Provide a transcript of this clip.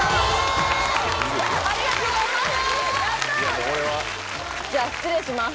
ありがとうございます！